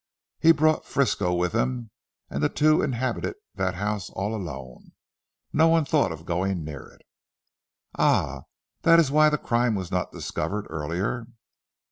He brought Frisco with him, and the two inhabited that house all alone. No one thought of going near it." "Ah! That is why the crime was not discovered earlier."